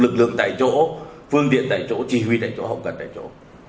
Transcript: trường tại chỗ phương tiện tại chỗ chỉ huy tại chỗ hậu cần tại chỗ